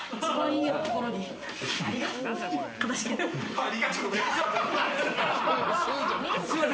ありがとうございます。